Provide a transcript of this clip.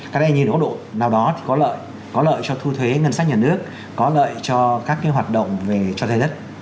cái này nhìn có độ nào đó thì có lợi có lợi cho thu thuế ngân sách nhà nước có lợi cho các cái hoạt động về cho thế đất